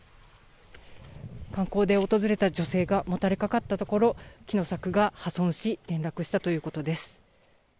観光で訪れた女性がもたれかかったところ、木の柵が破損し、転落したということです。